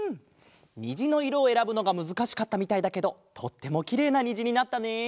にじのいろをえらぶのがむずかしかったみたいだけどとってもきれいなにじになったね！